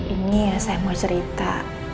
ini ya saya mau cerita